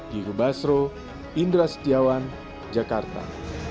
diego basro indra setiawan jakarta